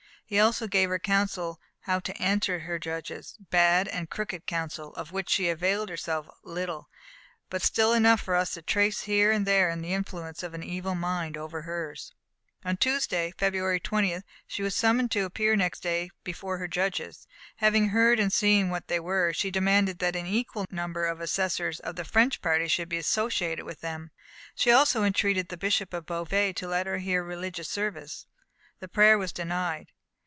He also gave her counsel how to answer her judges bad and crooked counsel, of which she availed herself little, but still enough for us to trace here and there the influence of an evil mind over hers. On Tuesday, February 20th, she was summoned to appear next day before her judges. Having heard and seen what they were, she demanded that an equal number of assessors of the French party should be associated with them. She also entreated the Bishop of Beauvais to let her hear religious service. The prayer was denied.